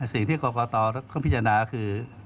สิ่งที่กรกตต้องพิจารณาคือ